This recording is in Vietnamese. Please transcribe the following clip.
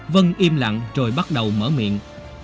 vân im lặng rồi bắt đầu mở miệng